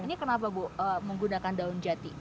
ini kenapa bu menggunakan daun jati